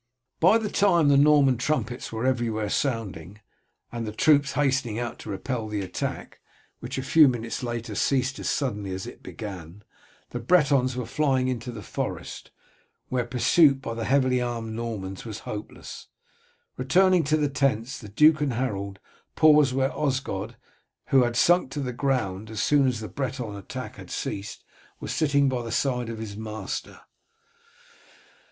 By this time the Norman trumpets were everywhere sounding, and the troops hastening out to repel the attack, which a few minutes later ceased as suddenly as it began, the Bretons flying into the forest, where pursuit by the heavily armed Normans was hopeless. Returning to the tents, the duke and Harold paused where Osgod, who had sunk to the ground as soon as the Breton attack had ceased, was sitting by the side of his master.